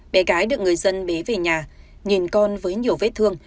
bé gái được người dân bé về nhà nhìn con với nhiều vết thương